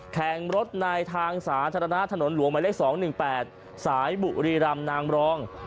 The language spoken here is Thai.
แข่งรถในทางสาธารณะถนนหลวงหมายเลข๒๑๘สายบุรีรำนางรอง